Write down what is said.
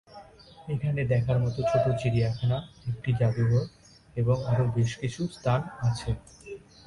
এখানে দেখার মত ছোট চিড়িয়াখানা, একটি জাদুঘর এবং আরো বেশ কিছু স্থান আছে।